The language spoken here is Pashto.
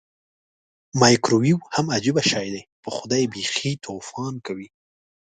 مایکرو ویو هم عجبه شی دی پخدای بیخې توپان کوي.